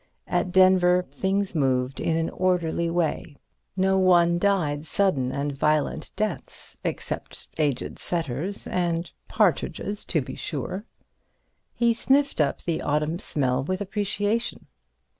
At Denver things moved in an orderly way; no one died sudden and violent deaths except aged setters—and partridges, to be sure. He sniffed up the autumn smell with appreciation.